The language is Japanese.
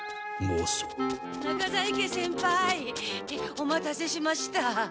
お待たせしました。